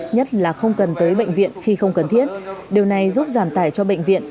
nhất là không cần tới bệnh viện khi không cần thiết điều này giúp giảm tải cho bệnh viện